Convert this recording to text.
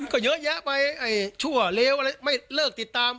ก็เยอะแยะไปชั่วเลวอะไรไม่เลิกติดตาม